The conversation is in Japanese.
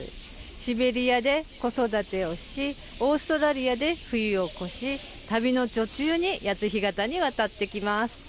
シベリアで子育てをしオーストラリアで冬を越し、旅の途中に谷津干潟に渡って来ます。